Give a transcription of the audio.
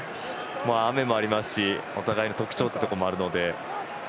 雨もありますしお互いの特徴でもあるので。